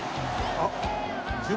あっ！